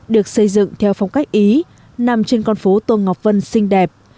được xây dựng theo phong cách ý nằm trên con phố tôn ngọc vân xinh đẹp